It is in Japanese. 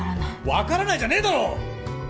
「わからない」じゃねえだろ！